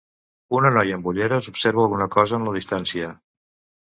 Una noia amb ulleres observa alguna cosa en la distància.